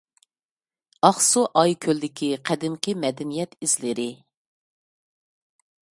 ئاقسۇ ئايكۆلدىكى قەدىمكى مەدەنىيەت ئىزلىرى.